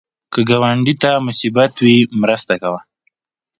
که ګاونډي ته مصیبت وي، مرسته کوه